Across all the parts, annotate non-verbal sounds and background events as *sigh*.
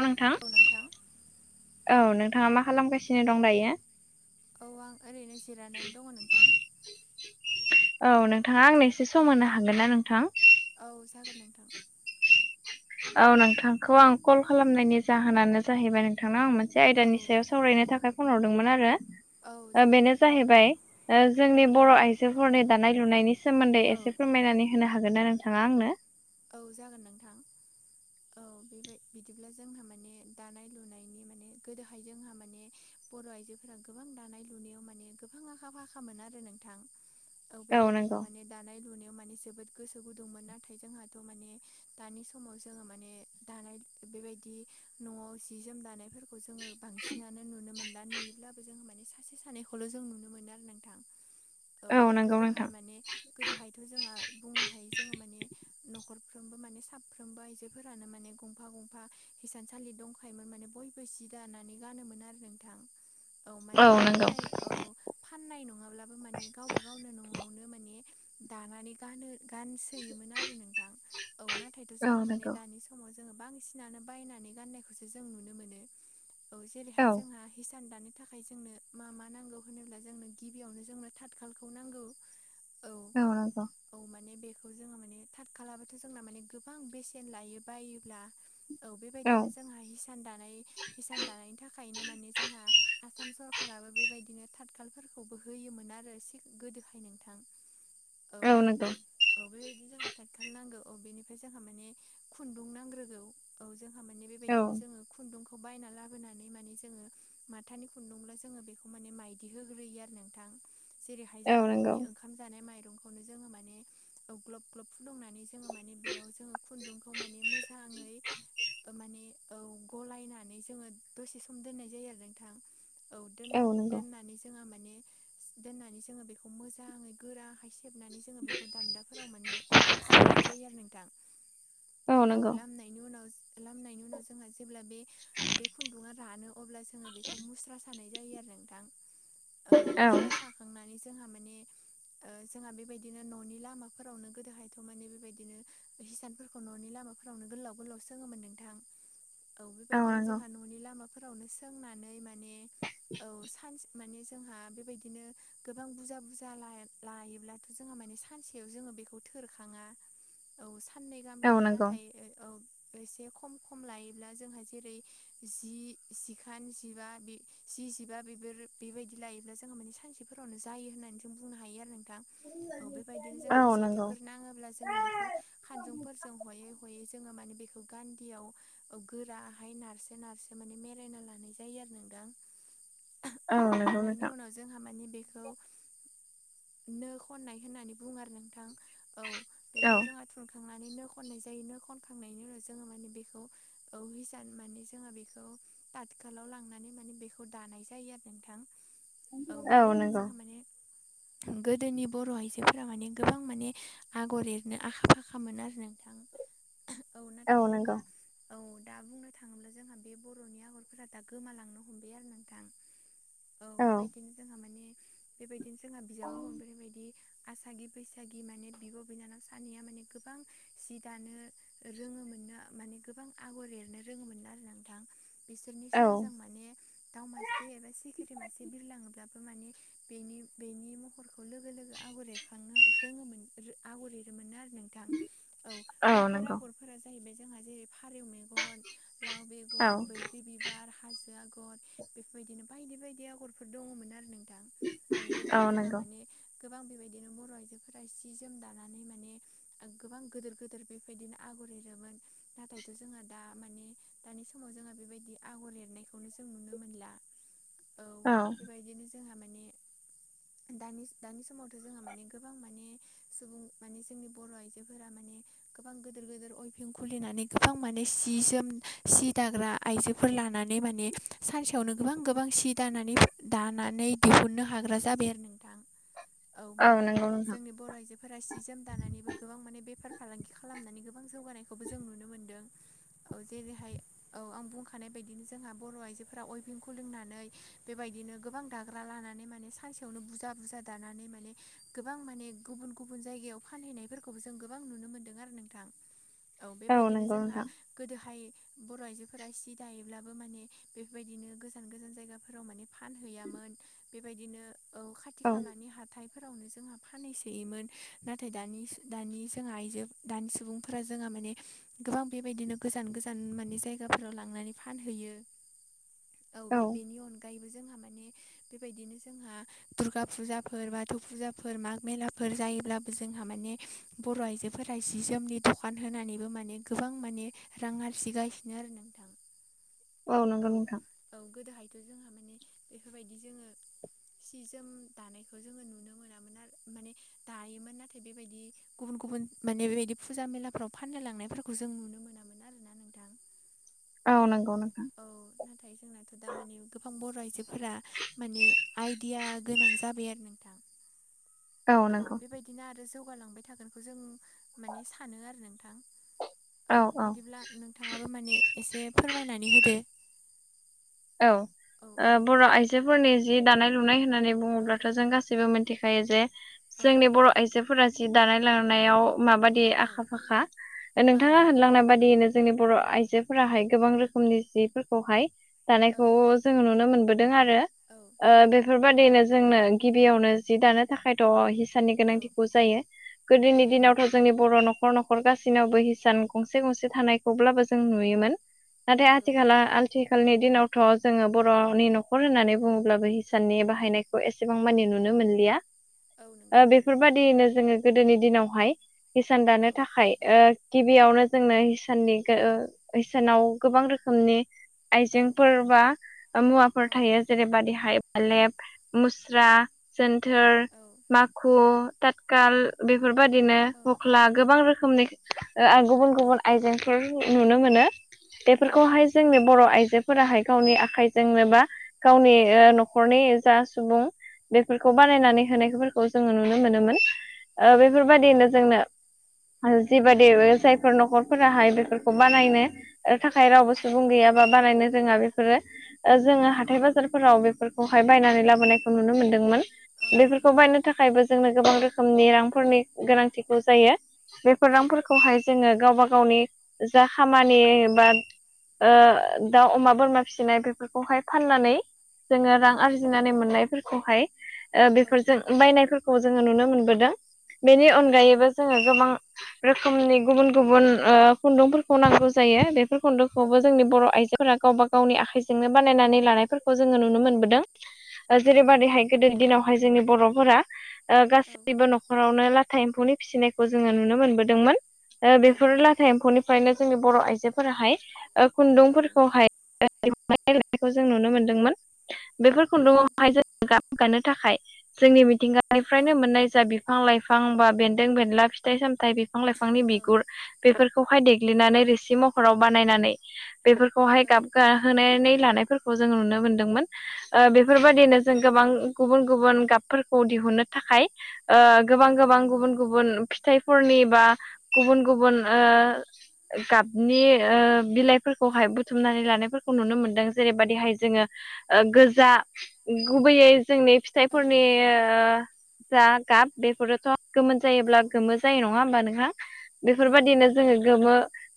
नोंथां औ नोंथां औ नोंथाङा मा खालामगासिनो दं दायो? औ आं ओरैनो जिरायनानै दङ नोंथां। औ नोंथाङा आंनो एसे औ सम होनो हागोन ना नोंथां? औ जागोन नोंथां औ नोंथांखौ औ आं कल खालामनायनि जाहोनानो जाहैबाय नोंथांनाव आं मोनसे औ आयदानि सायाव स सावरायनो थाखाय फन हरदोंमोन आरो औ जागोन बेनो औ जाहैबाय नोंथां ओ जोंनि बर' आइजोफोरनि दानाय लुनायनि सोमोन्दै औ एसे फोरमायनानै होनो हागोन ना नोंथाङा आंनो? औ जागोन नोंथां औ बेबाय बिदिब्ला जोंहा माने दानाय लुनायनि माने गोदोहाय जोंहा माने बर' आइजोफोरा गोबां दानाय लुनायाव माने गोबां आखा फाखामोन आरो नोंथां। औ बेबायदिनो माने दानाय लुनायाव माने जोबोद गोसो गुदुंमोन नाथाय जोंहाथ' माने दानि समाव जोङो माने दानाय बेबायदि न'आव जि जोम दानाय खौ जोङो बांसिनानो नुनो मोनला नुयोब्लाबो जोङो माने सासे सानैखौल' जों नुनो मोनो आरो नोंथां औ नंगौ गोदोहाय नोंथां माने गोदोहायथ' जोंहा बुंनो हायो जोङो माने न'खरफ्रोमबो माने साफ्रोमबो आइजोफोरानो माने गंफा गंफा थसानसालि दंखायोमोन माने बयबो सि दानानै गानोमोन आरो नोंथां। औ माने फाननाय औ फाननाय नङाब्लाबो माने गावबा गावनो न'आवनो माने दानानै ग गानसोयोमोन आरो नोंथां औ नाथायथ' औ जोंहा माने दा नंगौ दानि समाव जोङो बांसिनानो बायनानै गाननायखौसो जों नुनो मोनो। औ जेरैहाय औ जोंहा हिसान दानो थाखाय ओमफ्राय जोंनो मा मा नांगौ होनोब्ला जोंनो गिबियावनो जोंनो थाथखालखौ नांगौ। औ औ माने बेखौ जोङो माने थार खालामबथ' जोंना माने गोबां बेसेन लायो बायोब्ला औ बेबायदिनो जोंहा िसान दानाय हिसान दानायनि थाखायनो माने जोंहा आसाम सरकाबो बेबायदिनो थाथखालफोरखौबो होयोमोन आरो ए गोदोहाय नोंथां। *inaudible* औ नंगौ औ बेबायदिनो जाखाथार खथाल नांगौ औ बेनिफ्राय जोंहा माने खुन्दुं नांग्रोगौ औ जोंहा माने औ बेबायदिनो जोङो खुन्दुंखौ बायना लाबोनानै माने जोङो माथानि खुन्दुंल' जोङो बेखौ माने माइदिहोग्रोयो आरो नोंथां। जेरैहाय जोङो औ नंगौ न'नि ओंखाम जानाय माइरंखौनो जोङो माने ग्लब ग्लब दंनानै जोङो माने बेयाव जोङो खुन्दुंखौ माने मोजाङै माने औ गलायनानै जोङो दसे सम दोननाय जायो आरो नोंथां। औ द दोननानै जोङो माने दोननानै जोङो बेखौ मोजाङै गोरा हायसे हेबनानै जोङो बेखौ दान्दाफोराव माने लामस्रोननाय जायो आरो नोंथां। औ लामनायनि उनाव लामनायनि उनाव जोंहा जेब्ला बे बे खुन्दुङआ रानो अब्ला जोङो बेखौ मुस्रा सानाय जायो आरो नोंथां। औ मुस्रा साखांनानै जोंहा माने जोंहा बेबायदिनो न'नि लामाफोरावनो गोदो हायथ' माने बेबायदिनो हिसानफोरखौ न'नि लामाफोरावनो गोलाव गोलाव सोङोमोन नोंथां। औ बेबायदिनो नंगौ जोंहा न'नि लामाफोरावनो सोंनानै माने औ सानसे माने जोंहा बेबायदिनो गोबां बुरजा बुरजा लायोब्लाथ' जोंहा माने सानसेयाव जोङो बेखौ थ थोरखाङा औ साननै गाहाम औ लायो नंगौ नाथाय औ एसे खम खम लायोब्ला जोंहा जेरै जि जिखान जिबा बे जि जिबा बेबोर बेबायदि लायोब्ला जोङो माने सानसे फोरावनो जायो होननानै जों बुंनो हायो आरो नोंथां औ बेबायदिनो जोंहा औ जे नंगौ नाङोब्ला जोङो बेखौ खानजुंफोरजों हयै हयै जोङो माने बेखौ गान्दियाव गोराहाय नारसो नारसो माने मेरायना लानाय जायो आरो नोंथां। *inaudible* औ नंगौ नानायनि नोंथां उनाव जोंहा माने बेखौ नो खननाय होननानै बुङो आरो नोंथां। औ औ बेखौ जोंहा थुनखांनानै नो खननाय जायो नो खनखांनायनि उनाव जोङो माने बेखौ औ हिजान माने जोङा बेखौ तातकालाव लांनानै माने बेखौ दानाय जायो आरो नोंथां। औ बेबायदिनो जोङा माने गोदोनि बर' आइजोफोरा माने गोबां माने आगर एरनो आखा फाखामोन आरो नोंथां औ नाथाय जोंहा औ दा बुंनो थाङोब्ला जोंहा बे बर'नि आगरफोरा दा गोमालांनो हमबाय आरो नोंथां‌। *inaudible* औ बेबायदिनो जोंहा माने बेबायदिनो जोंहा बिजाबाव मोनबोनायबायदि आसागि बैसा गि माने बिब' बिनानाव सानैया माने गोबां सि दानो रोङोमोननो माने गोबां आगर एरनो रोङोमोन आरो नोंथां। बिसोरनि औ सेरजों माने दाउ मासे एबा सिखिरि मासे बिरलाङोब्लाबो माने बेनि बेनि महरखौ लोगो लोगो आगर एरखाङो। रोङोमोन रो आगर एरोमोन आरो नोंथां औ बैफोर आगरफोरा जाहैबाय जोंहा जेरै फारौ मेगन लाव औ बेगर बैग्रि बिबार हाजो आ गर बेफोरबायदिनो बायदि बायदि आगरफोर दङमोन आरो नोंथां। औ गोदोहाय जोङा माने गोबां बेबायदिनो बर' आइजोफोरा सि जोम दानानै माने गोबां गोदोर गोदोर बेफोरबायदिनो आगर एरोमोन नाथायथ' जोंहा दा माने दानि समाव जोंङा बेबायदि आगर एरनायखौनो जों नुनो मोनला। औ बेबायदिनो जोंहा माने दानि दानि समावथ' जोङा माने गोबां माने सुबुं माने जोंनि बर' आइजोफोरा माने गोबां गोदोर गोदोर अइफिं खुलिनानै गोबां माने सि जोम सि दाग्रा आइजोफोर लानानै माने सानसेयावनो गोबां गोबां सि दानानै दानानै बिहुननो हाग्रा जाबाय आरो नोंथां। *inaudible* औ माने नंगौ नोंथां जोंनि बर' आइजोफोरा सि जोम दानानैबो गोबां माने बेफार फालांगि खालामनानै गो गोबां जौगानायखौबो जों नुनो मोन्दों औ जेरैहाय औ आं बुंखानाय बायदिनो जोंहा बर' आइजोफोरा अयभिंखौ खुलुंनानै बेबायदिनो गोबां दाग्रा लानानै माने सानसेयावनो बुरजा बुरजा दानानै माने गोबां माने गुबुन गुबुन जायगायाव फानहैनायफोरखौबो जों गोबां नुनो मोनदों आरो नोंथां। औ बेबायदिनो नंगौ जोंहा नोंथां गोदोहाय बर' आइजोफोरा सि दायोब्लाबो माने बेफोरबायदिनो गोजान गोजान जायगाफोराव माने फानहैयामोन। बेबायदिनो औ खाथि औ खालानि हाथायफोरावनो जोंहा फानहैसोयोमोन नाथाय दानि दानि जोंहा आइजो दानि सुबुंफोरा जोङा माने गोबां बेबायदिनो गोजान गोजान माने जायगाफोराव लांनानै फानहैयो। *inaudible* औ बे बेनि अन गायैबो जोंहा माने बेबायदिनो जोंहा दुर्गा फुजाफोर बाथौ फुजाफोर माग मेलाफोर जायोब्लाबो जोंहा माने बर' आइजोफोरा जि जोमनि दखान होनानैबो माने गोबां माने रां आरजिगासिनो आरो नोंथां। औ नंगो नोंथां। औ गोदोहायथ' जोंहा माने बेफोरबायदि जोङो सि जोम दानायखौ जोङो नुनो मोनामोन आरो माने दायोमोन नाथाय बे बायदि गुबुन गुबुन माने बेबायदि फुजा मेलाफ्राव फाननो लांनायफोरखौ जों नुनो मोनामोन आरोना नोंथां औ नंगौ नोंथां। औ नाथाय। जोंनाथ' दा माने गोबां बर' आइजोफोरा माने आइडिया गोनां जाबाय आरो नोंथां। *inaudible* औ नंगौ बेबायदिनो आरो जौगालांबाय थागोनखौ जों माने सानो आरो नोंथां। औ बिदिब्ला नोंथाङाबो माने एसे फोरमायनानै होदो। औ औ औ बर' आइजोफोरनि जि दानाय लुनाय होननानै औ बुङोब्लाथ' जों गासैबो मोनसे देखायो जे जोंनि औ बर' आइजोफोरा जि दानाय लांनायाव माबादि औ आखा फाखा ओ औ नोंथाङा नंगौ होनलांनाय बादियैनो जोंनि बर' आइजोफोराहाय गोबां रोखोमनि जिफोरखौहाय औ दानायखौ। जोङो नुनो मोनबोदों आरो। औ। बेफोरबादिनो जोंनो गिबियावनो जि दानो थाखायथ' हिसानि औ गोनांथिखौ जायो। औ गोदोनि दिनावथ' जोंनि बर' न'खर न'खर गासैनावबो हिसान गंसे गंसे थानायखौ ब्लाबो जों नुयोमोन नाथाय नंगौ आथिखाला आथिखालनि दिनावथ' जोङो बर'नि न'खर होननानै बुङोब्लाबो हिसाननि बाहायनायखौ एसेबां मानि नुनो मोनलिया। औ नंगौ बेफोरबादियैनो जोङो गोदोनि दिनावहाय हिसान औ दानो थाखाय ओ गिबियावनो जोंनो इसाननि इसानाव गोबां रोखोमनि औ आइजें फोर बा मुवाफोर औ थायो जेरैबादिहाय नंगौ फालेब, मुस्रा जोनथोर औ माखु तात काल बेफोरबादिनो औ हख्ला गोबां रोखोमनि गुबुन गुबुन आइजेंफोर नुनो मोनो नंगौ बेफोरखौहाय जोंनि बर' आइजो फोराहाय गावनि आखाइजोंनो बा गावनि औ न'खरनि जा सुबुं बेफोरखौ औ बानायनानै होनायफोरखौ जोङो नुनो मोनोमोन नंगौ बेफोरबादिनो जोंनो आरो‌ जिबादि जायफोर न'खरफोराहाय बेफोरखौ बानायनो थाखाय औ रावबो सुबुं गैयाबा बानायनो रोङा बेफोरो जोङो औ हाथाय बाजारफोराव बेफोर खौहाय बायनानै लाबोनायखौ नुनो मोनदोंमोन औ बेफोरखौ नंगौ बायनो नि थाखायबो जोंनो गोबां रोखोमनि रांफोरनि गोनांथिखौ जायो बेफोर औ रांफोरखौहाय जोङो गावबा गावनि जा खामानि बा दाउ अमा बोरमा फिसिनाय बेफोरखौहाय फाननानै जोङो औ रां आरजिनानै मोननायफोरखौहाय औ बेफोरजों बायनायफोरखौ जोङो नुनो मोनबोदों बेनि नंगौ अनगायैबो जोङो गोबां ओ रोखोमनि गुबुन गुबुन खुन्दुंफोरखौ नांगौ जायो बेफोर औ खुन्दुंखौबो जोंनि बर' आइजो। गावबा गावनि आखाइजोंनो बानायनानै लानायफोरखौ जोङो नुनो मोनदों औ नंगौ जेरैबैहाय ओ गोदो दिनावहाय जोंनि बर'फोरा औ गासैबो न'खरावनो ला थाइ एम्फौनि फिसिनायखौ जोङो नुनो मोनबोदोंमोन बेफोर नंगौ ला थ एम्फौनिफ्रायनो जोंनि बर' आइजोफोराहाय औ खुन्दुंफोरखौ *unintelligible* जों नुनो मोनदोंमोन बेफोर औ खुन्दुङआवहायों गाब गानो थाखाय जोंनि मिथिंगानिफ्रायनो मोननाय फिसा बिफां लाइफां बा बेन्दों बेनला फिथाइ-सामथाय बिफां बिफां लाइफांनि औ बिगुर बेफोरखौहाय औ देग्लिनानै रोसि महराव बानायनानै बे खौहाय औ गाबगाहोनानै लानायफोरखौ जों नुनो मोनदोंमोन औ नंगौ बेफोरबादिनो जों गोबां गुबुन गुबुन गाबफोरखौ दिहुननो थाखाय गोबां औ गोबां गुबुन गुबुन। फिथाइफोरनि बा गुबुन गुबुन गाबनि बिलाइ औ फोरखौहाय बुथुमनानै लानायफोरखौ नुनो मोनदों जेरैबायाददिहाय जोङो गोजा गुबैयै जोंनि। औ फिथाइफोरनि जा गाब बेफोरोथ' गोमोन औ जायोब्ला गोमो जायो नङा होमबा नोंथहा नंगौ बेफोरबायदिनो नोंथां जोङो नंगौ गोमो।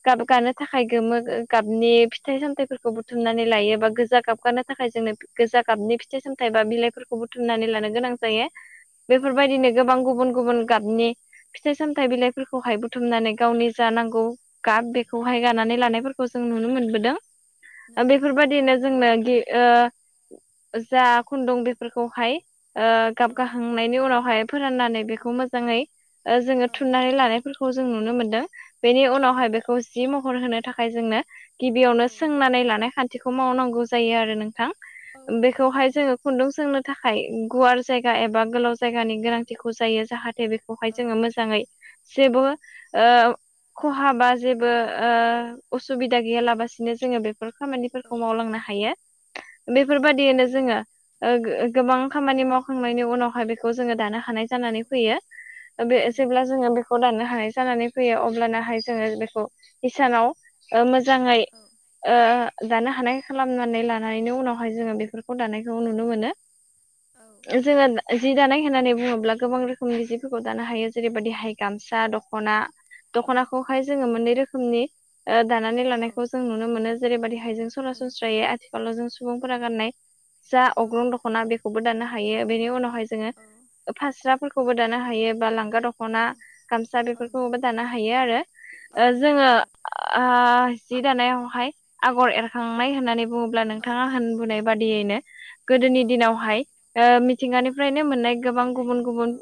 गाब गानो थाखाय गोमो गाबनि फिथाइ सामथाइफोरखौ बुथुमनानै लायोबा गोजा गाब गानो थाखाय जोंनो गोजा गाबनि फिथाइ सामथाइ बा बिलाइफोरखौ खौ बुथुमनानै लानो गोनां जायो औ बेफोरबायदिनो गोबां गुबुन गुबुन गाबनि फिथाइ सामथाइ बिलाइफोरखौहाय बुथुमनानै गावनि जा नांगौ गाब बेखौहाय गानानै लानायफोरखौ खौ जों औ नुनो मोनबोदों नंगौ बेफोरबादिनो जोंनो गि ओ जा खुन्दुं बेफोरखौहाय गाब औ गाखांनायनि उनावहाय फोराननानै बेखौ मोजाङै जोङो औ थुननानै लानाय फोरखौ जों नुनो मोनदों बेनि नंगौ उनावहाय बेखौ जि महर होनो थाखाय जोंनो गिबियाव औ सोंनानै लानाय खान्थिखौ मावनांगौ जायो आरो नोंथां औ नंगौ बेखौहाय नोंथां जोङो खुन्दुं सोंनो थाखाय गुवार जायगा एबा गोलाव जायगानि गोनांथिखौ जायो जाहाथे बे बेखौहाय औ जोङो मोजाङै जेबो खहा बा जेबो असुबिदा गैया लाबासिनो जोङो बेफोर औ खामानिफोरखौ मावलांनो हायो औ बेफोरबायदियैनो जों ङो गोबां खामानि मावखांनायनि उनावहाय बेखौ जोङो दानो हानाय औ जानानै फैयो औ नंगौ जेब्ला जोङो बे खौ दाननो हानाय जानानै फैयो अब्लानाहाय जोङो बेखौ इसानाव मोजाङै औ ओ दानो हानाय खालामनानै लानायनि उनावहाय जोङो बेफोर दानायखौ औ नुनो मोनो औ जोङो जि दानाय होननानै बुङोब्ला गोबां रोखोमनि जिफोरखौ दानो हायो जेरैबायदि हाय गामसा दख'ना दखनाखौहाय जोङो मोननै रोखोमनि दानानै औ लानायखौ जों नुनो मोनो जेरैबायदिहाय जों सरासनस्रायै आथिखालाव जों सुबुंफोरा गाननाय जा औ अग्रं दख'ना बेखौबो दाननो हायो औ बेनि उनावहाय जोङो फास्राफोरखौबो दानो हायो बा लांगा दखना ख'ना नंगौ गामसा बेफोरखौबो दानो हायो आरो औ नंगौ जोङो नोंथां औ जि दानायावहाय आगर एरखांनाय होननानै बुङोब्ला नोंथाङा होनबोनाय बादियैनो गोदोनि दिनावहाय औ मिथिंगानिफ्रायनो मोननाय गोबां गुबुन गुबुन औ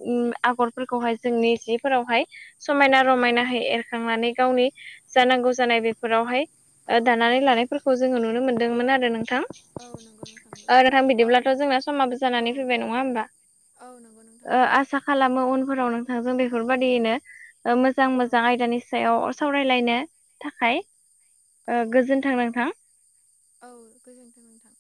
आगरफोरखौहाय जोंनि जिफोरावहाय समायना औ रमायनाहै एरखांनानै गावनि जानांगौ जानाय बेफोरावहाय औ नंगौ दानानै लानायफोरखौ जोङो नुनो मोनदोंमोन आरो नोंथां औ नंगौ नोंथां नंगौ ओ नोंथां औ बिदिब्लाथ' जोंना समाबो औ जानानै फैबाय नङा होमबा औ नंगौ नोंथां ओ नोंगौ आसा खालामो उनफोराव नोंथांजों बेफोरबायदियैनो मोजां औ मोजां आयदानि सायाव सावरायलायनो थाखाय औ गोजोनथों नोंथां औ गोजोन्थों नोंथां